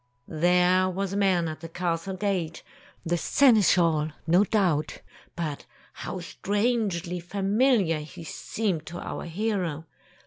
There was a man at the castle gate, the seneschal, no doubt. But how strangely familiar he seemed to our hero.